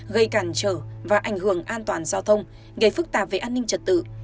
gây cản trở và ảnh hưởng an toàn giao thông gây phức tạp về an ninh trật tự